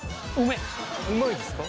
うまいですか。